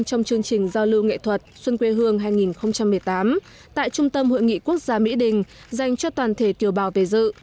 trong chương trình giao lưu nghệ thuật xuân quê hương hai nghìn một mươi tám tại trung tâm hội nghị quốc gia mỹ đình dành cho toàn thể kiều bào về dự